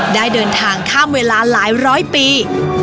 ได้เดินทางข้ามเวลาหลายร้อยปี